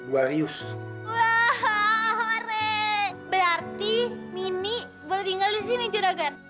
wah horre berarti mini boleh tinggal disini juragan